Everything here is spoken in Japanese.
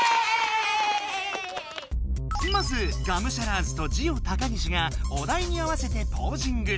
まずガムシャラーズとジオ高岸がお題に合わせてポージング！